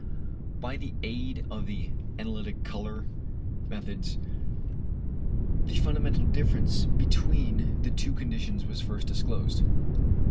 By the aid of the analytic colour methods the fundamental difference between the two conditions was first disclosed.